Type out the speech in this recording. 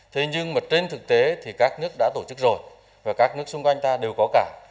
thế nhưng mà trên thực tế thì các nước đã tổ chức rồi và các nước xung quanh ta đều có cả